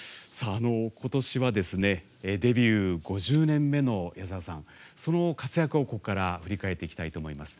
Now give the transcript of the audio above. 今年はデビュー５０年目の矢沢さん、活躍を振り返っていきたいと思います。